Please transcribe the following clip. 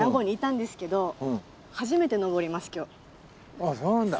あっそうなんだ。